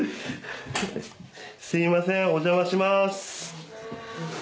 すいませんお邪魔します。